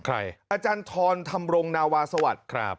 อาจารย์ทรธรรมรงนาวาสวัสดิ์ครับ